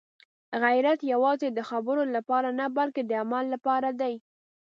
غیرت یوازې د خبرو لپاره نه، بلکې د عمل لپاره دی.